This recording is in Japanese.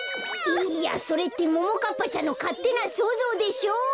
いいやそれってももかっぱちゃんのかってなそうぞうでしょ！